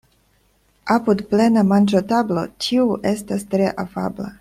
Apud plena manĝotablo ĉiu estas tre afabla.